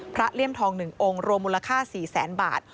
พระเลี่ยมทองหนึ่งองค์รวมมูลค่า๔๐๐๐๐๐บาท